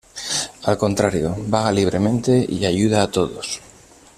Al contrario, vaga libremente y ayuda a todos.